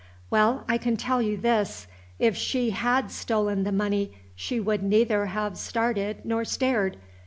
"Well, I can tell you this if she had stolen the money she would neither have started nor stared.